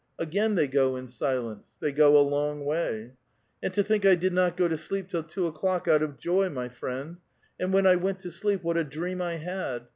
Again they go in silence. They go a long way. " And to think I did not go to sleep till two o'clock out of joy, my friend ; and when I went to sleep, what a dream I had